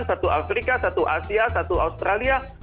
satu afrika satu asia satu australia